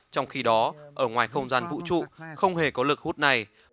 trong khi đó ở ngoài không gian vũ trụ không hề có lực hút này